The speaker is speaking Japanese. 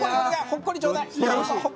ほっこりちょうだい！